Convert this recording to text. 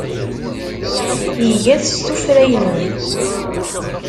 Iga-t s tuffra-inu.